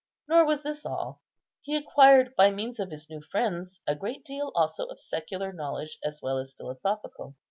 Nor was this all; he acquired by means of his new friends a great deal also of secular knowledge as well as philosophical.